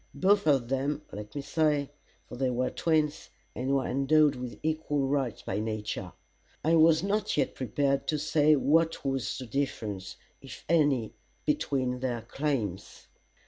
Both of them, let me say, for they were twins, and were endowed with equal rights by nature. I was not yet prepared to say what was the difference, if any, between their claims.